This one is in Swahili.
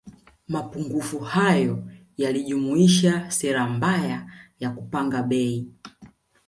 Mapungufu hayo yalijumuisha sera mbaya ya kupanga bei